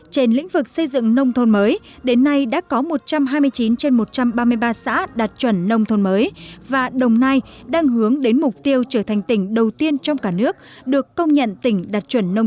trên lĩnh vực xây dựng nông thôn mới đến nay đã có một trăm hai mươi chín trên một trăm ba mươi ba xã đạt chuẩn nông thôn mới và đồng nai đang hướng đến mục tiêu trở thành tỉnh đầu tiên trong cả nước được công nhận tỉnh đạt chuẩn nông